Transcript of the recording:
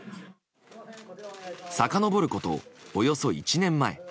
さかのぼること、およそ１年前。